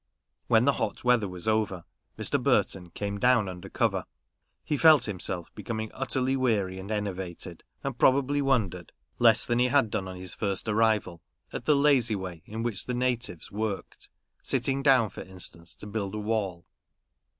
When the hot weather was over, Mr. Burton came down under cover. He felt himself becoming utterly weary and enervated ; and probably wondered less than he had done on his first arrival at the lazy way in which the natives worked : sitting down, for instance, to build a wall.